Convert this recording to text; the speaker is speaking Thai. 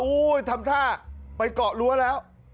ทำท่าไปเกาะรั้วแล้ว